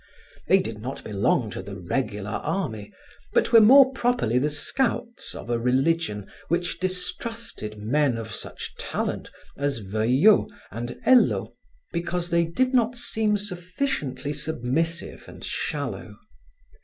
They did not belong to the regular army, but were more properly the scouts of a religion which distrusted men of such talent as Veuillot and Hello, because they did not seem sufficiently submissive and shallow.